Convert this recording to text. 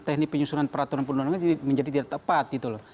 teknik penyusunan peraturan perundang undangan menjadi tidak tepat